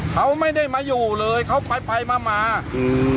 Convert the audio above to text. เขาไม่ได้มาอยู่เลยเขาไปไปมามาอืม